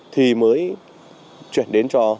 thì mới chuyển đến cho